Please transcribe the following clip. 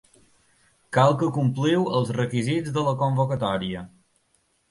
Cal que compliu els requisits de la convocatòria.